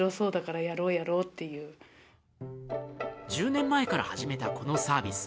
１０年前から始めたこのサービス。